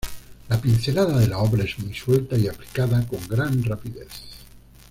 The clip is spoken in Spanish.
La pincelada de la obra es muy suelta y aplicada con gran rapidez.